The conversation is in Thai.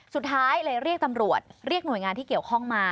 สุดท้ายเลยเรียกตำรวจเรียกหน่วยงานที่เกี่ยวข้องมา